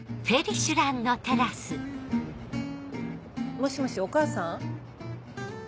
もしもしお母さん？